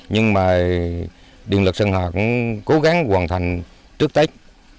nhưng mà điện lực sơn hòa cũng cố gắng hoàn thành trước tết